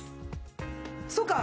そうか！